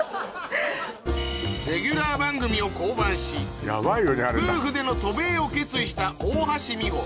レギュラー番組を降板し夫婦での渡米を決意した大橋未歩